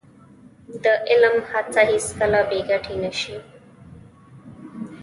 د علم هڅه هېڅکله بې ګټې نه ده.